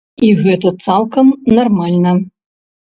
І гэта цалкам нармальна.